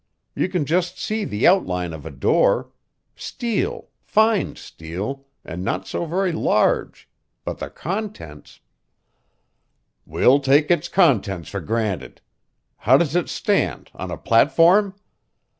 You can just see the outline of a door. Steel fine steel, and not so very large, but the contents " "We'll take its contents for granted. How does it stand? On a platform?"